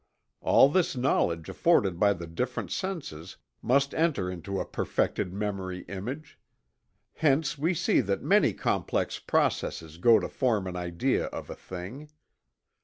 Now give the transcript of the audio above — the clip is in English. All this knowledge afforded by the different senses must enter into a perfected memory image. Hence we see that many complex processes go to form an idea of a thing.